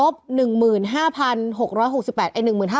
๗๙๔๑๖เป็น๑๐๐๐๐นะ